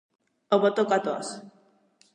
Haver tocat os.